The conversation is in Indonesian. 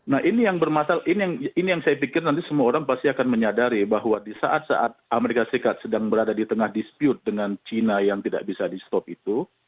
nah ini yang bermasalah ini yang saya pikir nanti semua orang pasti akan menyadari bahwa di saat saat amerika serikat sedang berada di tengah dispute dengan china yang tidak bisa di stop itu